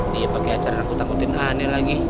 dia pakai acara rambut rambutin aneh lagi